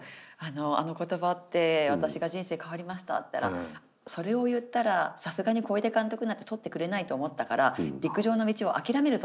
「あの言葉で私が人生変わりました」って言ったら「それを言ったらさすがに小出監督なんて取ってくれないと思ったから陸上の道をあきらめると思ったから言ったんだ」